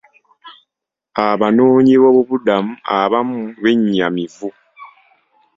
Abanoonyiboobubudamu abamu bennyamivu.